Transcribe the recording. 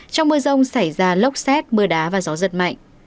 trong mưa rông xảy ra lốc xét mưa đá và gió giật mạnh